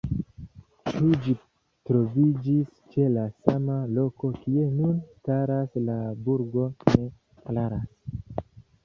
Ĉu ĝi troviĝis ĉe la sama loko kie nun staras la burgo ne klaras.